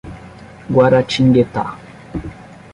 Guaratinguetá